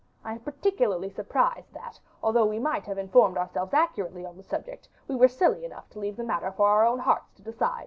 I am particularly surprised that, although we might have informed ourselves accurately on the subject, we were silly enough to leave the matter for our own hearts to decide."